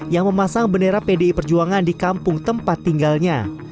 yang memasang bendera pdi perjuangan di kampung tempat tinggalnya